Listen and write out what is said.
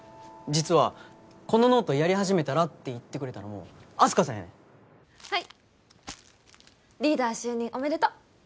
実はこのノートやり始めたら？って言ってくれたのもあす花さんやねんはいリーダー就任おめでとう